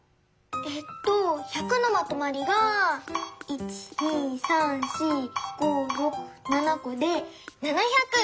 えっと１００のまとまりが１２３４５６７こで７００！